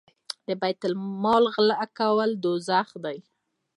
د بیت المال غلا کول دوزخ دی.